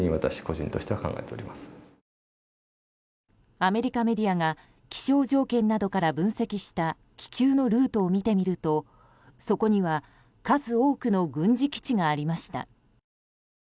アメリカメディアが気象条件などから分析した気球のルートを見てみるとそこには数多くの軍事基地がありました。